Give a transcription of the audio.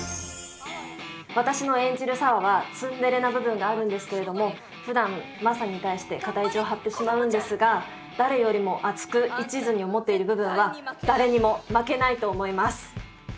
私の演じる沙和はツンデレな部分があるんですけれどもふだんマサに対して片意地を張ってしまうんですが誰よりも熱くいちずに思っている部分は誰にも負けないと思います。